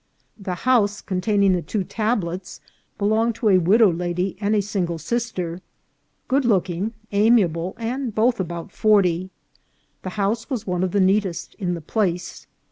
The house containing the two tablets belonged to a widow lady and a single sister, good looking, amiable, and both about forty. The house was one of the neatest in the place.